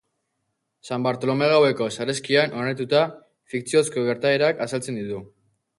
San Bartolome gaueko sarraskian oinarrituta, fikziozko gertaerak azaltzen ditu.